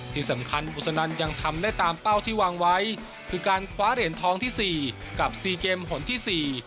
ที่สำคัญบุษนันยังทำได้ตามเป้าที่วางไว้คือการคว้าเหรียญทองที่สี่กับสี่เกมหนที่สี่